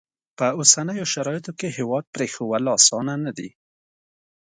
په اوسنیو شرایطو کې هیواد پرېښوول اسانه نه دي.